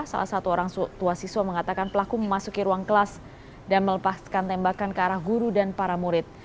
salah satu orang tua siswa mengatakan pelaku memasuki ruang kelas dan melepaskan tembakan ke arah guru dan para murid